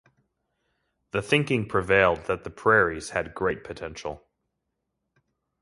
The thinking prevailed that the prairies had great potential.